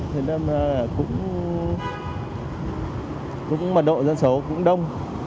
thế nên cũng mật độ dân số cũng đông